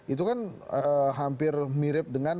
itu kan hampir mirip dengan